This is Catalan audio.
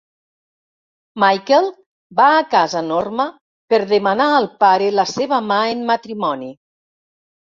Michael va a casa Norma per demanar al pare la seva mà en matrimoni.